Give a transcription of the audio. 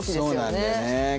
そうなんだよね。